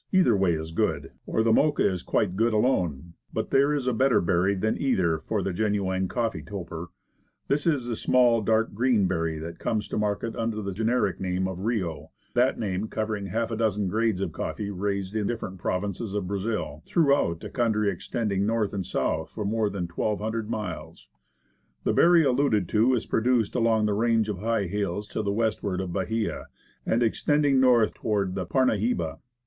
Either way is good, or the Mocha is quite as good alone. But there is a better berry than either for the genuine coffee toper. This is the small, dark green berry that comes to market under the generic name of Rio, that name covering half a dozen grades of coffee raised in dif ferent provinces of Brazil, throughout a country ex tending north and south for more than 1,200 miles. The berry alluded to is produced along the range of high hills to the westward of Bahia, and extending north toward the Parnahiba.